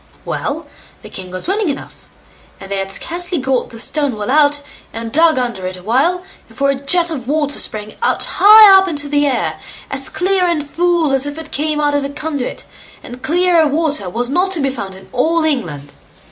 Well! the king was willing enough; and they had scarcely got the stone well out, and dug under it a while, before a jet of water sprang out high up into the air, as clear and full as if it came out of a conduit, and clearer water was not to be found in all England.